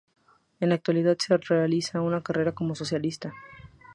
En la actualidad, realiza una carrera como solista.